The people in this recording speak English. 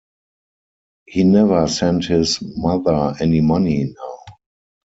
He never sent his mother any money now.